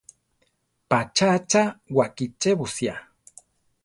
Patzá achá wakichébosia.